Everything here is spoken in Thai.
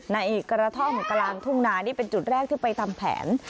ในกระท่อมกลางทุ่งนานี่เป็นจุดแรกที่ไปทำแผน